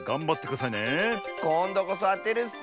こんどこそあてるッス！